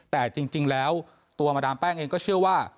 แต่จริงแล้วตัวมาดามแป้งเองก็เชื่อว่า